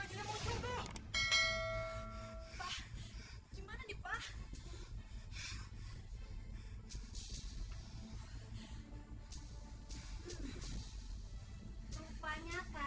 ya tahu bos